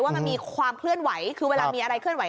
ว่ามันมีความเคลื่อนไหวคือเวลามีอะไรเคลื่อนไห